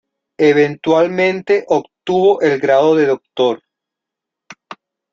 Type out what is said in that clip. Eventualmente obtuvo el grado de doctor.